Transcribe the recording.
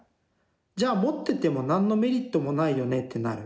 じゃあ持ってても何のメリットもないよねってなる。